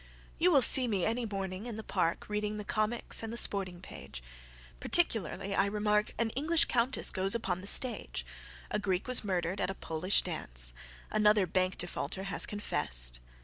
You will see me any morning in the parkReading the comics and the sporting page. Particularly I remarkAn English countess goes upon the stage.A Greek was murdered at a Polish dance, Another bank defaulter has confessed.